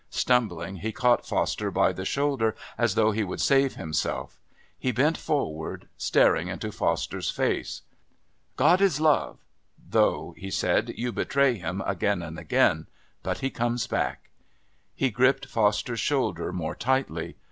Stumbling, he caught Foster by the shoulder as though he would save himself. He bent forward, staring into Foster's face. "God is love, though," he said. "You betray Him again and again, but He comes back." He gripped Foster's shoulder more tightly.